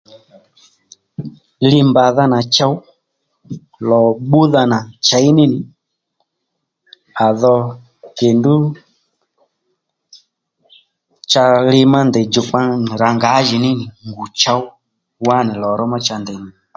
Nyi mbà dha nà chow lò bbúdha nà chěy ní nì à dho kendu cha li ma ndèy djòkpa nì ngǎjìnínì ngù chow wá nì lò ró ma cha ndèy nì nì